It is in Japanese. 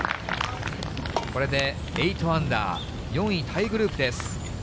これで８アンダー４位タイグループです。